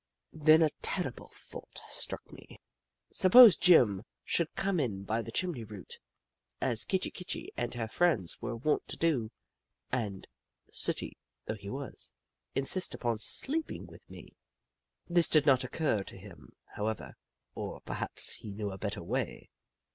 Then a terrible thought struck me — suppose Jim should come in by the chimney route, as Kitchi Kitchi and her friends were wont to do, and, sooty though he was, insist upon sleeping with me ! This did not occur to him, however, or per haps he knew a better way.